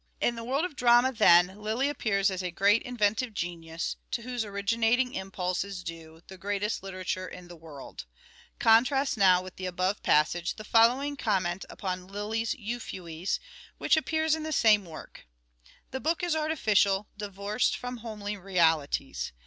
In the world of drama, then, Lyly appears as a great Lyiy'siack of ...*.... inventive inventive genius, to whose originating impulse is ness. due " the greatest literature in the world." Contrast now with the above passage the following comment upon Lyly's " Euphues," which appears in the same work :" The book is artificial, divorced from homely realities.